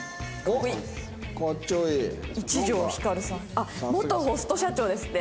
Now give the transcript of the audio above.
あっ元ホスト社長ですって。